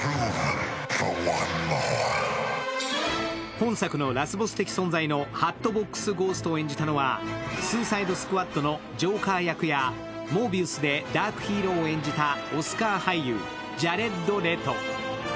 本作のラスボス的存在のハットボックス・ゴーストを演じたのは、「スーサイド・スクワッド」のジョーカー役や「モービウス」でダークヒーローを演じたオスカー俳優、ジャレッド・レト。